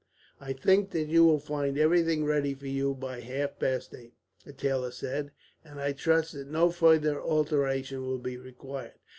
"I think that you will find everything ready for you by half past eight," the tailor said, "and I trust that no further alteration will be required.